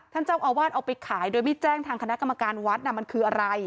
ท่านเจ้าอาวาสเอาไปขายโดยไม่แจ้งทางคณะกรรมการวัดมันคืออะไร